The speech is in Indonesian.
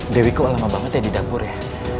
dewi kok lama banget ya di dapur ya